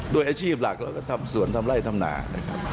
ด้วยอาชีพหลักเราก็ทำสวนทำไร่ทำนานะครับ